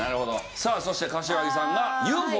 さあそして柏木さんが『ＵＦＯ』。